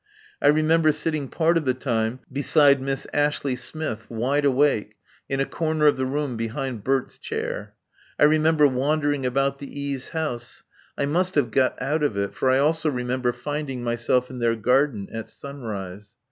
I remember sitting part of the time beside Miss Ashley Smith, wide awake, in a corner of the room behind Bert's chair. I remember wandering about the E.s' house. I must have got out of it, for I also remember finding myself in their garden, at sunrise.